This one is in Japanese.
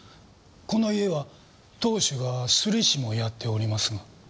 この家は当主が摺師もやっておりますが。